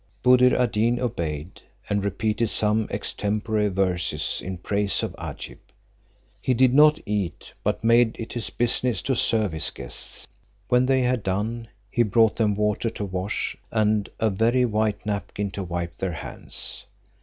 Buddir ad Deen obeyed, and repeated some extempore verses in praise of Agib: he did not eat, but made it his business to serve his guests. When they had done, he brought them water to wash, and a very white napkin to wipe their hands.